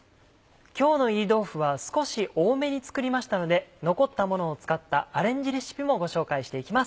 今日の炒り豆腐は少し多めに作りましたので残ったものを使ったアレンジレシピもご紹介していきます